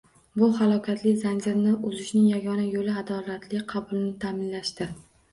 Bu halokatli zanjirni uzishning yagona yoʻli adolatli qabulni taʼminlashdir.